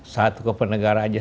satu keempat negara saja